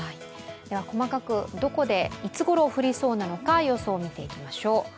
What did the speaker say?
では細かく、どこでいつごろ降りそうなのか、予想を見ていきましょう。